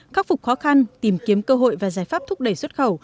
khắc phục khó khăn tìm kiếm cơ hội và giải pháp thúc đẩy xuất khẩu